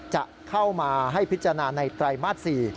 จะเข้ามาให้พิจารณาในไตรมาส๔